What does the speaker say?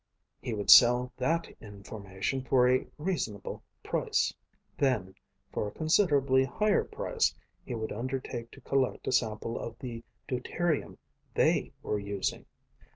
He would sell that information for a reasonable price. Then, for a considerably higher price, he would undertake to collect a sample of the deuterium they were using.